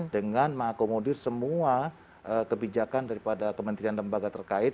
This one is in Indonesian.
dengan mengakomodir semua kebijakan daripada kementerian lembaga terkait